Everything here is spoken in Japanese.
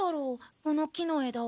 この木のえだは？